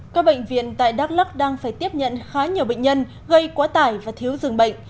các bệnh viện tại đắk lắc đang phải tiếp nhận khá nhiều bệnh nhân gây quá tải và thiếu dường bệnh